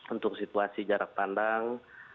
untuk situasi jarak pandang